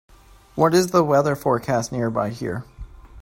What is the weather forecast nearby here